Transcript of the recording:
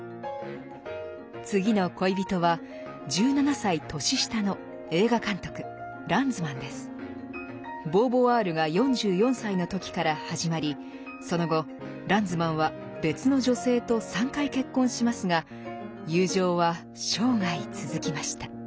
次の恋人は１７歳年下のボーヴォワールが４４歳の時から始まりその後ランズマンは別の女性と３回結婚しますが友情は生涯続きました。